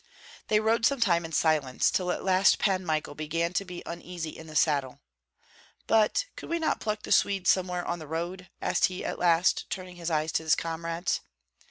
They rode some time in silence, till at last Pan Michael began to be uneasy in the saddle. "But could we not pluck the Swedes somewhere on the road?" asked he at last, turning his eyes to his comrades.